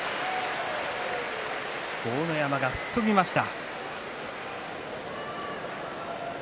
豪ノ山が吹っ飛びました。